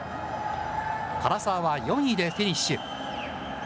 唐澤は４位でフィニッシュ。